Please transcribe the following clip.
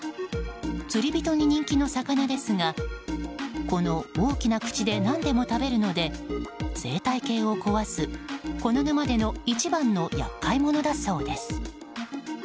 釣り人に人気の魚ですがこの大きな口で何でも食べるので生態系を壊すこの沼での一番の厄介者だそうです。